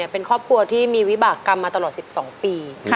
เป็นครอบครัวที่มีวิบากรรมมาตลอด๑๒ปี